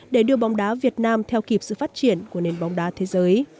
để đưa bóng đá việt nam theo kỳ vọng